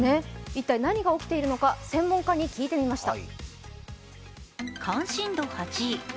一体、何が起きているのか専門家に聞いてみました。